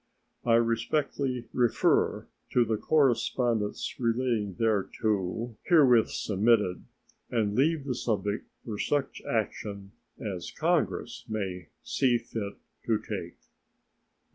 I respectfully refer to the correspondence relating thereto, herewith submitted, and leave the subject for such action as Congress may see fit to take.